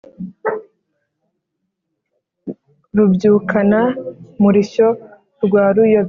rubyukana-murishyo rwa ruyobe,